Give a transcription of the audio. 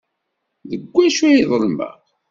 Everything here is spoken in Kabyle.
Deg wacu ay ḍelmeɣ?